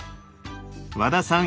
和田さん